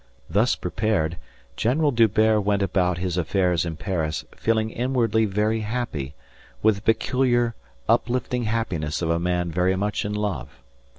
Thus prepared, General D'Hubert went about his affairs in Paris feeling inwardly very happy with the peculiar uplifting happiness of a man very much in love.